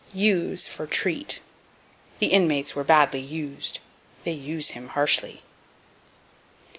Use for Treat. "The inmates were badly used." "They use him harshly."